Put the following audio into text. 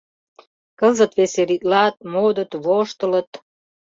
Кызыт веселитлат, модыт, воштылыт.